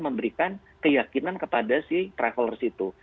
memberikan keyakinan kepada si traveler situ